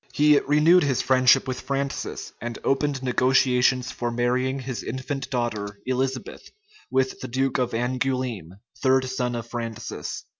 He renewed his friendship with Francis, and opened negotiations for marrying his infant daughter, Elizabeth, with the duke of Angoulême, third son of Francis.